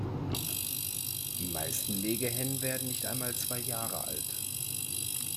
Die meisten Legehennen werden nicht einmal zwei Jahre alt.